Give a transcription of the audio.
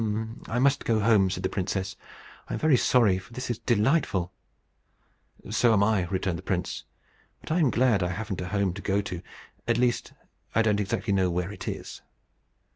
"I must go home," said the princess. "I am very sorry, for this is delightful." "So am I," returned the prince. "But I am glad I haven't a home to go to at least, I don't exactly know where it is."